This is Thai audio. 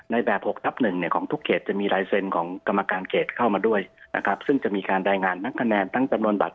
ในแบบ๖ทับ๑ของทุกเขตจะมีลายเซ็นของกรรมการเขตเข้ามาด้วยนะครับ